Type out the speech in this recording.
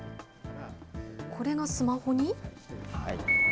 これがスマホに？